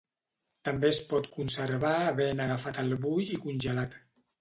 També es pot conservar havent agafat el bull i congelat.